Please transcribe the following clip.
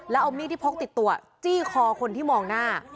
แล้วเอามีดที่พกติดตัวจี้คอคนที่มองหน้า